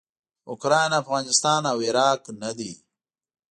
اوکراین افغانستان او عراق نه دي.